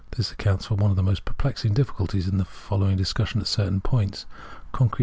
This accounts for one of the most perplexing difficulties in following the discussion at certain points. Concrete * V. ante, p.